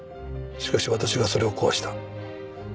しかし私がそれを壊した。